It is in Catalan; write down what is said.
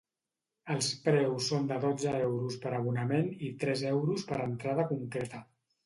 Els preus són de dotze euros per abonament i tres euros per entrada concreta.